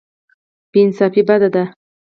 بې انصافي بد دی.